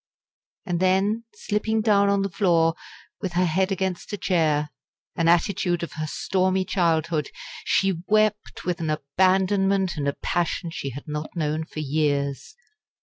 And then, slipping down on the floor, with her head against a chair an attitude of her stormy childhood she wept with an abandonment and a passion she had not known for years.